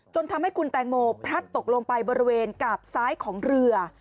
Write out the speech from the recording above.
ทำให้คุณแตงโมพลัดตกลงไปบริเวณกาบซ้ายของเรือ